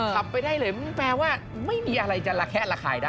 ขับไปได้เลยแปลว่าไม่มีอะไรจะระแคะระคายได้